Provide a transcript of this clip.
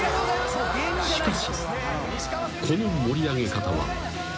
［しかしこの盛り上げ方は］